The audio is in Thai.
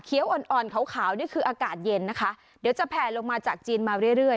อ่อนอ่อนขาวขาวนี่คืออากาศเย็นนะคะเดี๋ยวจะแผลลงมาจากจีนมาเรื่อยเรื่อย